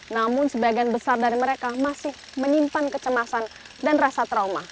namun sebagian besar dari mereka masih menyimpan kecemasan dan rasa trauma